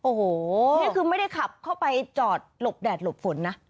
โอ้โหนี่คือไม่ได้ขับเข้าไปจอดหลบแดดหลบฝนนะ